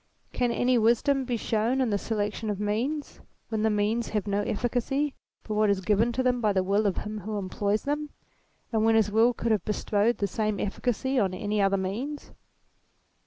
Can any wisdom be shown in the selection of means, when the means have no efficacy but what is given them by the will of him who employs them, and when his will could have bestowed the same efficacy on any other means